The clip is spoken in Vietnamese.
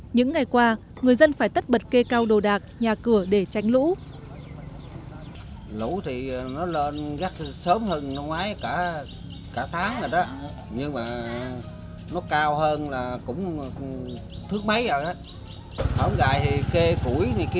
những ngày qua người dân phải tất bật kê cao đồ đạc nhà cửa để tránh lũ